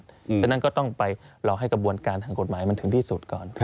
เพราะฉะนั้นก็ต้องไปรอให้กระบวนการทางกฎหมายมันถึงที่สุดก่อน